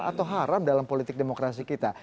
atau haram dalam politik demokrasi kita